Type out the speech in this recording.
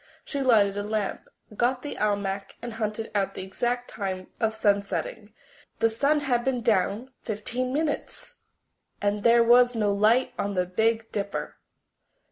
She lighted a lamp, got the almanac, and hunted out the exact time of sunsetting. The sun had been down fifteen minutes! And there was no light on the Big Dipper!